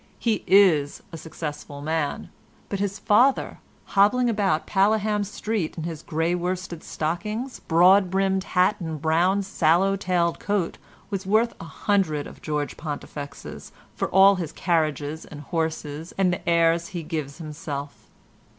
He is a successful man; but his father, hobbling about Paleham Street in his grey worsted stockings, broad brimmed hat and brown swallow tailed coat was worth a hundred of George Pontifexes, for all his carriages and horses and the airs he gives himself."